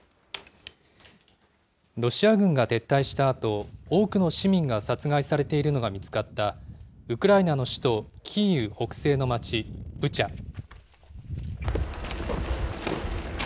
ロシア軍が撤退したあと、多くの市民が殺害されているのが見つかった、ウクライナの首都キーウ北西の街、ブチャ。